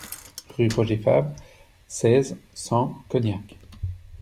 Rue Roger Favre, seize, cent Cognac